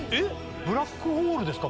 ブラックホールですか？